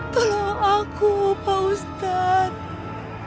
tolong aku pak ustadz